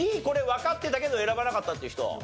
Ｄこれわかってたけど選ばなかったっていう人？